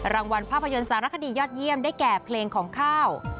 รางวัลภาพยนตร์สารคดียอดเยี่ยมได้แก่เพลงของข้าว